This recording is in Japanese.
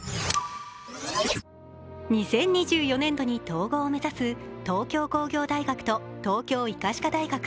２０２４年度に統合を目指す東京工業大学と東京医科歯科大学。